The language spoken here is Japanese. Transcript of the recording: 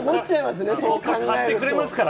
買ってくれますから！